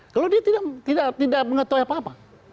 kalau dia tidak mengetahui apa apa